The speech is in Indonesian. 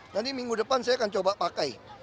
nanti minggu depan saya akan coba pakai